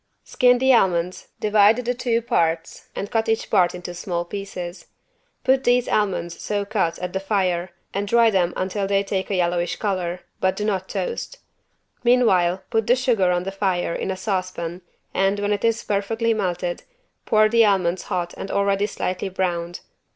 Skin the almonds, divide the two parts and cut each part into small pieces. Put these almonds so cut at the fire and dry them until they take a yellowish color, but do not toast. Meanwhile put the sugar on the fire in a saucepan and, when it is perfectly melted, pour the almonds hot and already slightly browned.